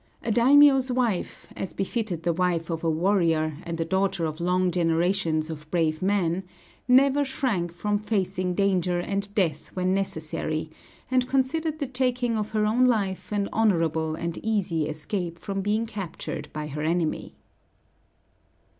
A daimiō's wife, as befitted the wife of a warrior and the daughter of long generations of brave men, never shrank from facing danger and death when necessary; and considered the taking of her own life an honorable and easy escape from being captured by her enemy.